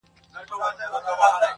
ډېر هوښیار وو د خپل کسب زورور وو،